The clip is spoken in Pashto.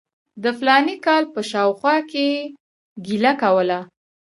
د فلاني کال په شاوخوا کې یې ګیله کوله.